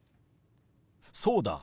そうだ。